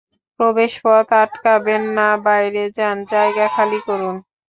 প্রবেশ পথ আটকাবেন না বাইরে যান, জায়গা খালি করুন।